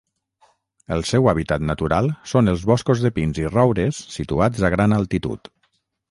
El seu hàbitat natural són els boscos de pins i roures situats a gran altitud.